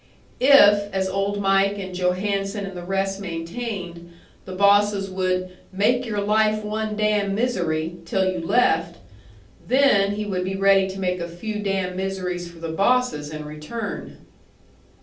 If, as Old Mike and Johannson and the rest maintained, the bosses would "make your life one damn misery" till you left then he would be ready to make a few damn miseries for the bosses in return!